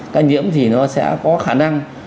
ca nhiễm thì nó sẽ có khả năng